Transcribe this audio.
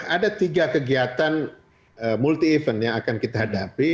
ada tiga kegiatan multi event yang akan kita hadapi